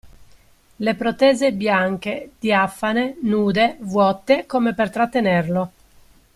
Le protese bianche, diafane, nude – vuote – come per trattenerlo.